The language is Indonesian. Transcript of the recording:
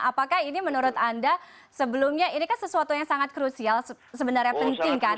apakah ini menurut anda sebelumnya ini kan sesuatu yang sangat krusial sebenarnya penting kan